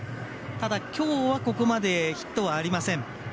きょうはここまでヒットはありません。